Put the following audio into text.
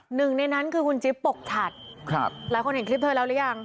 หนึ่งในนั้นคือคุณจิ๊บปกฉัดครับหลายคนเห็นคลิปเธอแล้วหรือยัง